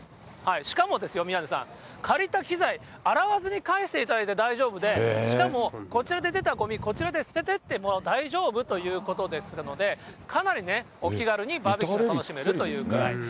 しかもですよ、宮根さん、借りた機材、洗わずに帰していただいて大丈夫で、しかもこちらで出たごみ、こちらで捨ててっても大丈夫ということですので、かなりね、お気軽にバーベキューを楽しめるということなんです。